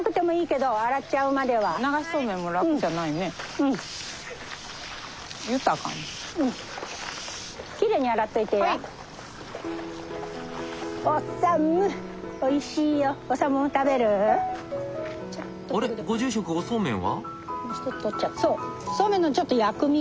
そうそうめんのちょっと薬味をね。